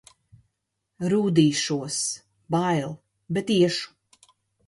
Rūdīšos. Bail, bet iešu.